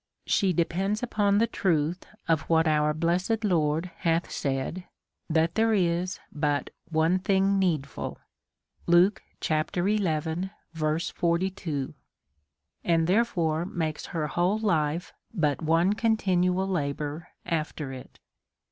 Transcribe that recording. She depends upon the truth of what our blessed Lord hath said, that there is but one thing iiecdf'ul, and therefore makes her whole life but one continual labour after it.